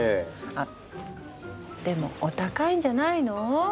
あでもお高いんじゃないの？